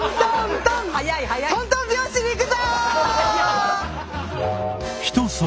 トントン拍子にいくぞ！